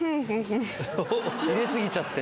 入れ過ぎちゃって。